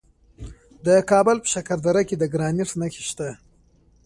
د کابل په شکردره کې د ګرانیټ نښې شته.